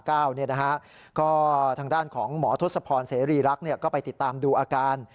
ก็ทางด้านของหมอทศพรเสรีรักษ์ก็ไปติดตามดูอาการ